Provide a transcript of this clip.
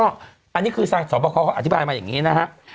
อันนี้คือสมบัติเขาอธิบายมาอย่างนี้นะครับ